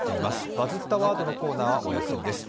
「バズったワード」のコーナーはお休みです。